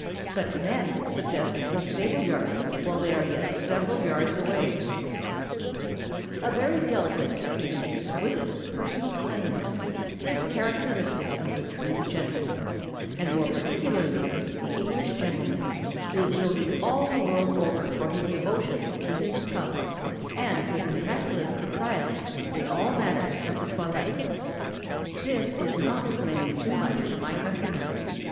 Such men suggest the stableyard while they are yet several yards away! [Sidenote: Personal cleanliness a hall mark of the English gentleman.] A very delicate, even exquisite, personal cleanliness is characteristic of the true gentleman, and more particularly the English gentleman, who is noted all the world over for his devotion to his "tub" and his immaculate propriety in all matters of the toilette. This is not claiming too much for my countrymen.